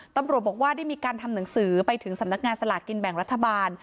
ตำรวจบอกว่าได้มีการทำหนังสือไปถึงสำนักงานสลากินแบ่งรัฐบาล